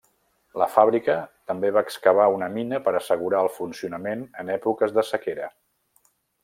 La fàbrica també va excavar una mina per assegurar el funcionament en èpoques de sequera.